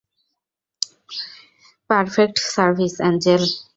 Perfect service, Angel.